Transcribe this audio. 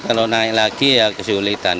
kalau naik lagi ya kesulitan